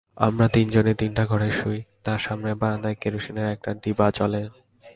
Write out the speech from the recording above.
আমরা তিনজনে তিনটা ঘরে শুই, তার সামনের বারান্দায় কেরোসিনের একটা ডিবা জ্বলে।